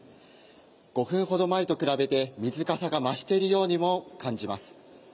５分ほど前と比べて、水かさが増しているようにも感じます。